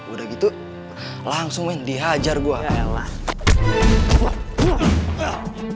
udah gitu langsung main dihajar gue